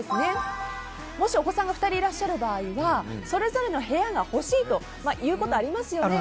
もしお子さんが２人いらっしゃる場合はそれぞれの部屋が欲しいということありますよね。